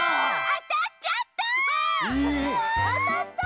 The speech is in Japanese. あたっちゃった！